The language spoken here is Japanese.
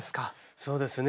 そうですね。